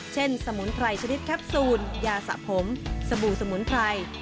สมุนไพรชนิดแคปซูลยาสะผมสบู่สมุนไพร